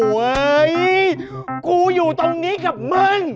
เฮ้ยกูอยู่ตรงนี้กับมึง